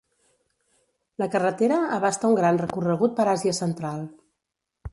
La carretera abasta un gran recorregut per Àsia Central.